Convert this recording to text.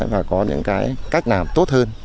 và có những cái cách làm tốt hơn